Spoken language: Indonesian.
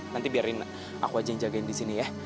nanti biarin aku aja yang jagain disini ya